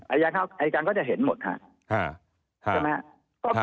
อายการก็จะเห็นหมดค่ะใช่ไหมครับ